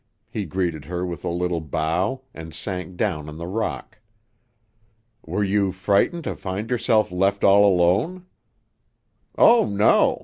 He greeted her with a little bow, and sank down on the rock. "Were you frightened to find yourself left all alone?" "Oh, no.